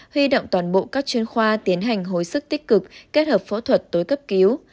huy động toàn bộ các chuyên khoa tiến hành hồi sức tích cực kết hợp phẫu thuật tối cấp cứu